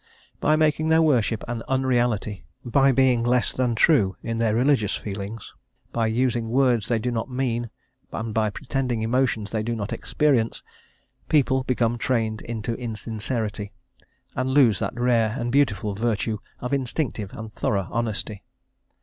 By making their worship an unreality, by being less than true in their religious feelings, by using words they do not mean, and by pretending emotions they do not experience, people become trained into insincerity, and lose that rare and beautiful virtue of instinctive and thorough honesty.